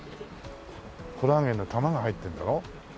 コラーゲンの玉が入ってんだろ？